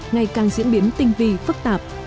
ngày càng diễn biến tinh vi phức tạp